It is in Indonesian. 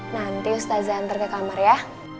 nanti ustazah hantar ke kamar ya